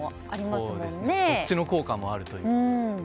どっちの効果もあるという。